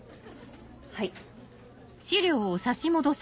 はい。